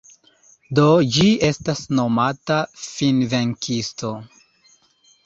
Do ĝi estas nomata Finvenkisto.